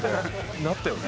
なったよね？